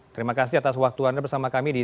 terima kasih atas waktu anda bersama kami di